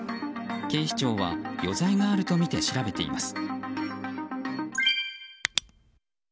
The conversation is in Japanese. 警察は余罪があるとみて調べています。